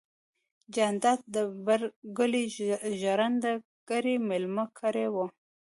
جانداد د بر کلي ژرندګړی ميلمه کړی و.